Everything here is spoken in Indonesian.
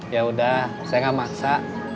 yaudah saya enggak maksa